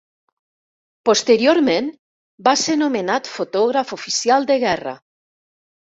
Posteriorment va ser nomenat fotògraf oficial de guerra.